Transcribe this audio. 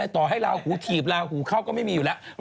ต่อให้ลาหูถีบลาหูเข้าก็ไม่มีอยู่แล้ว